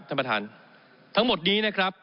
ท่านประธานทั้งหมดนี้นะครับ